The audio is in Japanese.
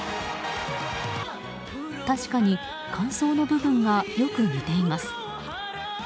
確かに間奏の部分がよく似ています。